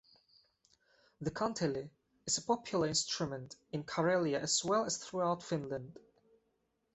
The kantele is a popular instrument in Karelia as well as throughout Finland.